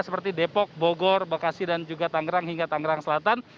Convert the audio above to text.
seperti depok bogor bekasi dan juga tangerang hingga tangerang selatan